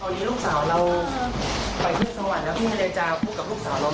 ตอนนี้ลูกสาวเราเออไปเครื่องสวรรค์แล้วพี่ไม่ได้จะพูดกับลูกสาวเราไหม